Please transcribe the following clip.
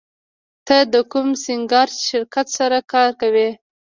ته د کوم سینګار شرکت سره کار کوې